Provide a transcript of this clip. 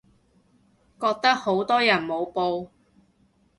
覺得好多人冇報